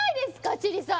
千里さん